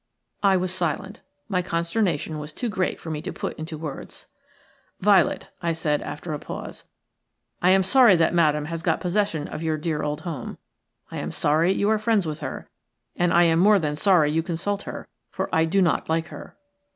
I was silent. My consternation was too great for me to put into words. "Violet," I said, after a pause, "I am sorry that Madame has got possession of your dear old home; I am sorry you are friends with her; I am more than sorry you consult her, for I do not like her."